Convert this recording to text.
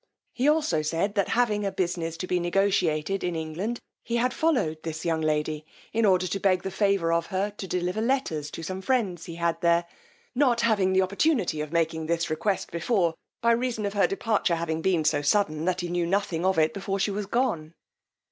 He also said, that having a business to be negotiated in England, he had followed this young lady, in order to beg the favour of her to deliver letters to some friends he had there, not having the opportunity of making this request before, by reason of her departure having been so sudden, that he knew nothing of it before she was gone.